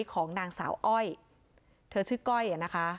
ของนางสาวอ้อยเธอชื่อก้อยนะคะ